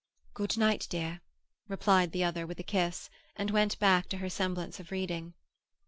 "Good night, dear," replied the other, with a kiss, and went back to her semblance of reading.